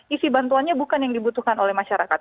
isi bantuannya bukan yang dibutuhkan oleh masyarakat